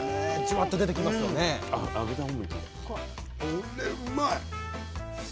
これうまい！